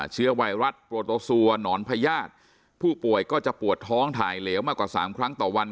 เชื้อไวรัสโปรโตซัวหนอนพญาติผู้ป่วยก็จะปวดท้องถ่ายเหลวมากกว่าสามครั้งต่อวัน